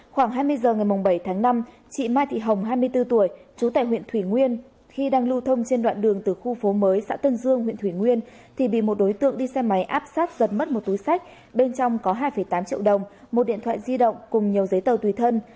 khoảng hai mươi h ngày bảy tháng năm chị mai thị hồng hai mươi bốn tuổi trú tại huyện thủy nguyên khi đang lưu thông trên đoạn đường từ khu phố mới xã tân dương huyện thủy nguyên thì bị một đối tượng đi xe máy áp sát giật mất một túi sách bên trong có hai tám triệu đồng một điện thoại di động cùng nhiều giấy tờ tùy thân